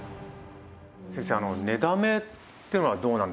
先生寝だめっていうのはどうなんですかね？